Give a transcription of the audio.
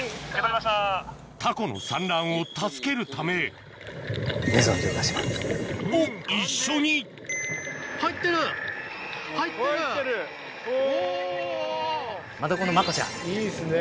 ・タコの産卵を助けるためを一緒にいいですね。